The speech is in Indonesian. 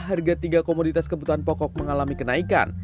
harga tiga komoditas kebutuhan pokok mengalami kenaikan